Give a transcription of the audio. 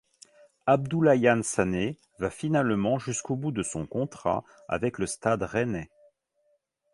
Abdoulaye Sané va finalement jusqu'au bout de son contrat avec le Stade rennais.